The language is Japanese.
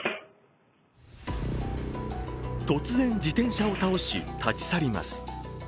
突然、自転車を倒し立ち去ります。